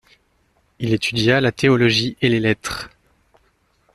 Il étudia la théologie et les lettres.